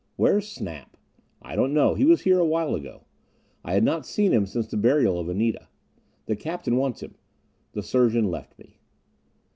"Where's Snap?" "I don't know. He was here a while ago." I had not seen him since the burial of Anita. "The captain wants him." The surgeon left me.